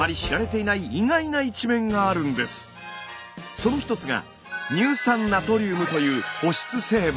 その一つが乳酸ナトリウムという保湿成分。